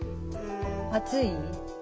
暑い？